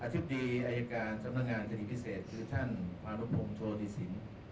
ธิบดีอายการสำนักงานคดีพิเศษคือท่านพานุพงศ์โชติสิน